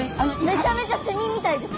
めちゃめちゃセミみたいです。